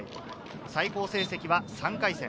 最高成績は３回戦。